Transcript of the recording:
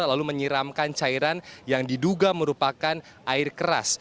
lalu menyiramkan cairan yang diduga merupakan air keras